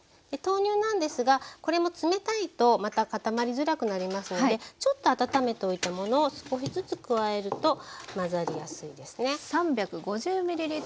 豆乳なんですがこれも冷たいとまた固まりづらくなりますのでちょっと温めておいたものを少しずつ加えると混ざりやすいですね。